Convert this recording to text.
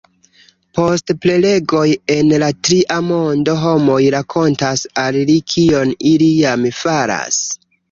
Post prelegoj en la Tria Mondo homoj rakontas al li kion ili jam faras!